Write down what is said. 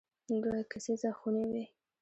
دوه کسیزه خونې وې.